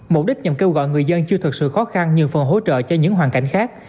mục đích nhằm kêu gọi người dân chưa thực sự khó khăn nhiều phần hỗ trợ cho những hoàn cảnh khác